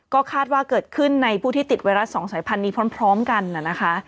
ก็คาดว่าเกิดขึ้นในผู้ที่ติดไวรัสสองสายพันธุ์นี้พร้อมกันนะคะ